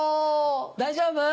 大丈夫？